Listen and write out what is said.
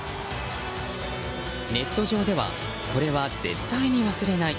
ネット上ではこれは絶対に忘れない。